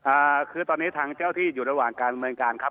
อ่าคือตอนนี้ทางเจ้าที่อยู่ระหว่างการดำเนินการครับ